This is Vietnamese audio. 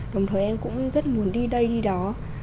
đồng thời em cũng rất muốn đi đây đi đó